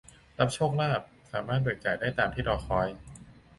รับโชคลาภ สามารถเบิกจ่ายได้ตามที่รอคอย